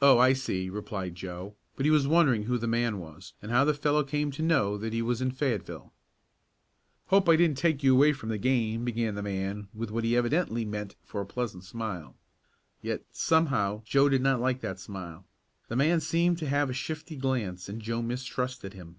"Oh, I see," replied Joe, but he was wondering who the man was, and how the fellow came to know that he was in Fayetteville. "Hope I didn't take you away from the game," began the man with what he evidently meant for a pleasant smile. Yet, somehow Joe did not like that smile. The man seemed to have a shifty glance and Joe mistrusted him.